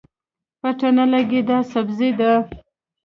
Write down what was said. پته نه لګي دا سبزي ده